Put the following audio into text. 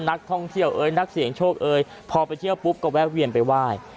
นักท่องเที่ยวเอ้ยนักเสียงโชคเอ้ยพอไปเที่ยวปุ๊บก็แวะเวียนไปไหว้